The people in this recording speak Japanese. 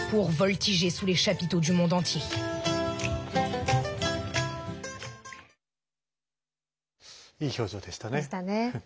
いい表情でしたね。